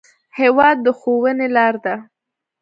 هېواد د ښوونې لار ده.